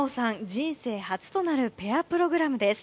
人生初となるペアプログラムです。